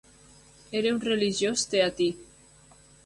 Era un religiós teatí.